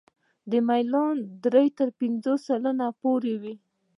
دا میلان د درې تر پنځه سلنې پورې وي